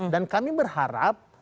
dan kami berharap